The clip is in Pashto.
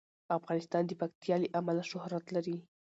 افغانستان د پکتیا له امله شهرت لري.